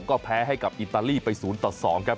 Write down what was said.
ก็แพ้ให้กับอิตาลีไป๐ต่อ๒ครับ